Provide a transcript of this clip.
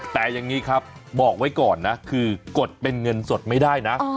แต่อย่างนี้ครับบอกไว้ก่อนนะคือกดเป็นเงินสดไม่ได้นะ